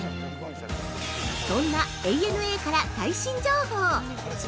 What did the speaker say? ◆そんなＡＮＡから最新情報！